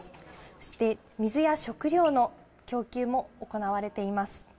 そして水や食料の供給も行われています。